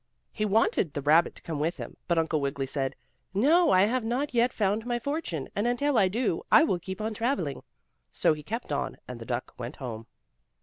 He wanted the rabbit to come with him, but Uncle Wiggily said: "No, I have not yet found my fortune, and until I do I will keep on traveling." So he kept on, and the duck went home.